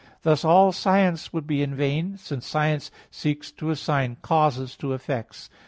Thus all science would be in vain, since science seeks to assign causes to effects.